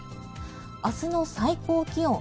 明日の最高気温